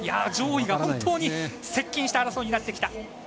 上位が本当に接近した争いになってきた。